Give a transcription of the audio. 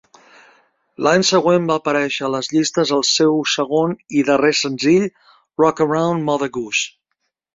L'any següent va aparèixer a les llistes el seu segon i darrer senzill, "Rock Around Mother Goose".